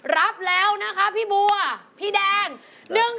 รับแล้วพี่บัวพี่แดง